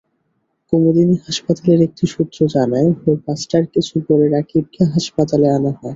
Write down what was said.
কুমুদিনী হাসপাতালের একটি সূত্র জানায়, ভোর পাঁচটার কিছু পরে রাকিবকে হাসপাতালে আনা হয়।